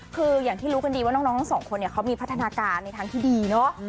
คืออย่างที่รู้กันดีว่าน้องทั้งสองคนเนี่ยเขามีพัฒนาการในทางที่ดีเนาะ